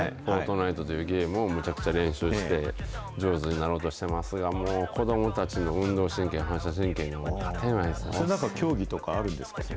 ナイトというゲームをむちゃくちゃ今、練習して、上手になろうとしてますが、もう子どもたちの運動神経、反射神経に勝てないですね。